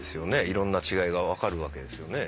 いろんな違いが分かるわけですよね。